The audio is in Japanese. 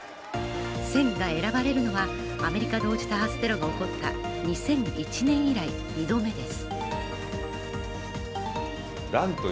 「戦」が選ばれるのは、アメリカ同時多発テロの起こった２００１年以来、２度目です。